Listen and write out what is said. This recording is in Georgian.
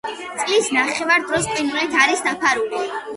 წლის ნახევარ დროს ყინულით არის დაფარული.